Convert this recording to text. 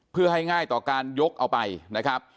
เพื่อให้ง่ายต่อการยกเอาไปนะครับ